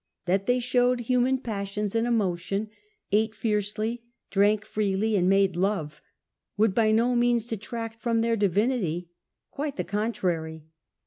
That they showed human passions and emotion — ate fiercely, drank freely, and made love — would by no means detract from their divinity. Quite the contrary.